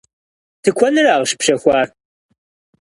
Тыкуэныра къыщыпщэхуар?